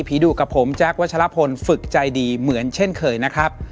ดุกับผมแจ๊ควัชลพลฝึกใจดีเหมือนเช่นเคยนะครับ